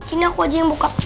kini aku aja yang buka